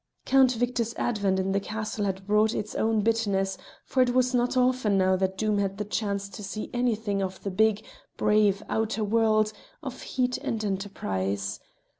Count Victor's advent in the castle had brought its own bitterness, for it was not often now that Doom had the chance to see anything of the big, brave outer world of heat and enterprise.